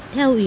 theo ủy ban